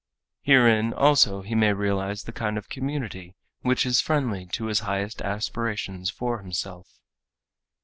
Herein also he may realize the kind of community which is friendly to his highest aspirations for himself.